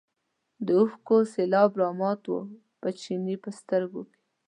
د اوښکو سېلاب رامات و د چیني په سترګو کې.